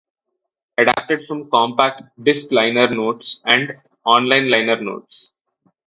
Adapted from compact disc liner notes and online liner notes.